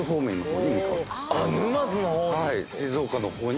沼津の方！